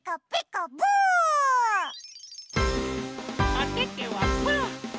おててはパー！